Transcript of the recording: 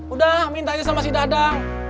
udah minta aja sama si dadang